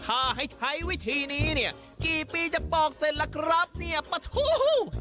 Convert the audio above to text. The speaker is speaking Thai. ถ้าให้ใช้วิธีนี้เนี่ยกี่ปีจะปอกเสร็จล่ะครับเนี่ยปะทู